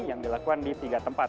yang dilakukan di tiga tempat